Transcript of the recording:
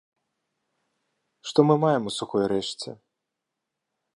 Што мы маем у сухой рэшце?